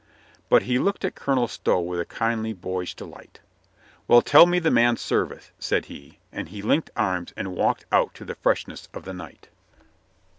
But he looked at Colonel Stow with a kindly, boyish delight. "Well, tell me the man's service," said he, and he linked arms and walked out to the freshness of the night.